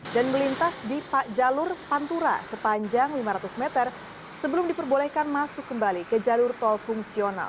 dan melintas di jalur pantura sepanjang lima ratus meter sebelum diperbolehkan masuk kembali ke jalur tol fungsional